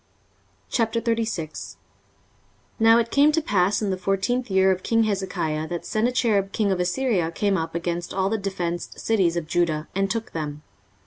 23:036:001 Now it came to pass in the fourteenth year of king Hezekiah, that Sennacherib king of Assyria came up against all the defenced cities of Judah, and took them.